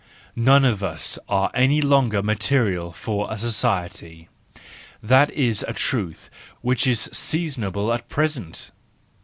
None of us are any longer material for a society: that is a truth which is seasonable at present!